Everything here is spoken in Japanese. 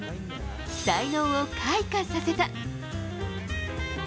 才能を開花させた。